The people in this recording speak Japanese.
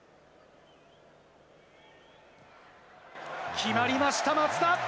決まりました、松田！